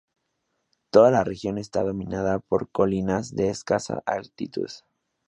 Toda la región está dominada por colinas de escasa altitud.